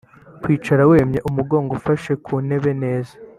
kwicara wemye umugongo ufashe ku ntebe neza